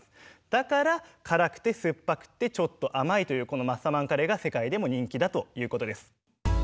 だから辛くて酸っぱくてちょっと甘いというこのマッサマンカレーが世界でも人気だということです。